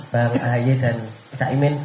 bang ahayi dan cak imin